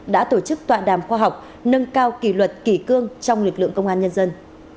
đã tổ chức tọa đàm khoa học nâng cao kỷ luật kỷ cương trong lực lượng công an nhân dân